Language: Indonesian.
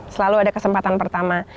selalu ada kesempatan pertama